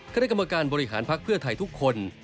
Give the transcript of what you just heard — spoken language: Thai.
คณะกรรมการบริหารภักดิ์เพื่อไทยทุกคน